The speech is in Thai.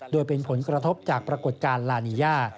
โดยเป็นผลกระทบจากปรากฏการณ์ลานีย่า